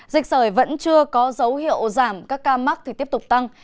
dịch sởi vẫn chưa có dấu hiệu giảm các ca mắc thì tiếp tục tăng